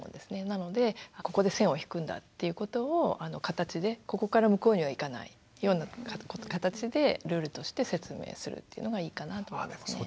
なのでここで線を引くんだっていうことを形でここから向こうには行かないような形でルールとして説明するっていうのがいいかなと思いますね。